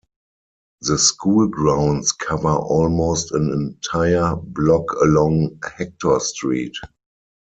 The school grounds cover almost an entire block along Hector Street.